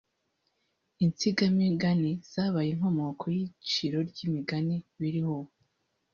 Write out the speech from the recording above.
Insigamigani zabaye inkomoko y’iciro ry’imigani biriho ubu